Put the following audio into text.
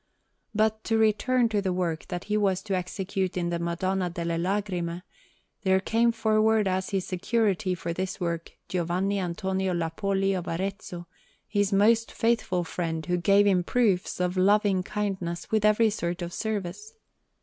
But to return to the work that he was to execute in the Madonna delle Lagrime: there came forward as his security for this work Giovanni Antonio Lappoli of Arezzo, his most faithful friend, who gave him proofs of loving kindness with every sort of service.